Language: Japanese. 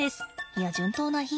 いや順当な比喩？